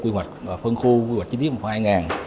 quy hoạch phân khu quy hoạch chi tiết khoảng hai ngàn